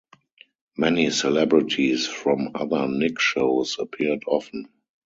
Many celebrities from other Nick shows appeared often.